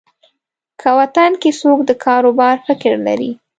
که وطن کې څوک د کاروبار فکر لري.